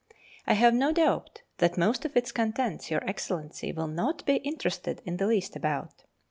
I have no doubt that most of its contents Your Excellency will not be interested in the least about.